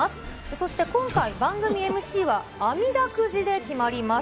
そして、今回、番組ＭＣはあみだくじで決まります。